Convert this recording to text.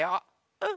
うん。